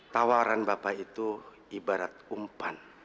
tawaran bapak itu ibarat umpan